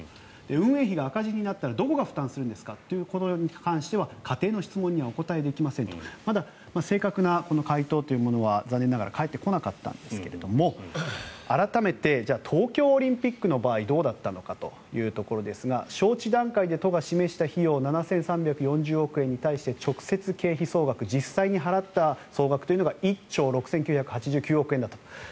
運営費が赤字になったらどこが負担するんですか？ということに関しては仮定の質問にはお答えできませんと正確な回答は、残念ながら返ってこなかったんですが改めて東京オリンピックの場合どうだったのかというところですが招致段階で都が示した費用７３４０億円に対して直接経費総額実際に払った総額というのが１兆６９８９億円だと。